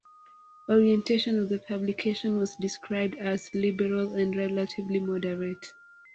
Orientation of the publication was described as "liberal" and "relatively moderate".